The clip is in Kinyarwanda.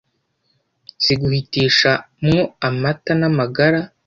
ziguhitisha mwo amata n'amagara,